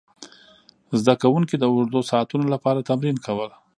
زده کوونکي د اوږدو ساعتونو لپاره تمرین کول.